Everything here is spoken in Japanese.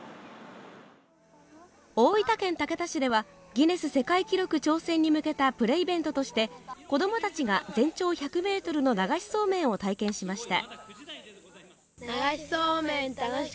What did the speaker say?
大分県竹田市ではギネス世界記録挑戦に向けたプレイベントとして子供たちが全長１００ｍの流しそうめんを体験しました。